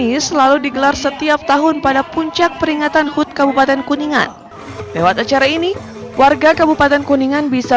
mereka hanya sedang sempat disekitar hujan dan ter nein di acoustic dan waktu menemukannya mereka baru saja kembali usai kota sw slaag dan part creativa lainnya